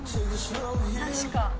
確か。